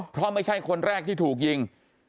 เพราะไม่ใช่คนแรกที่ถูกยิง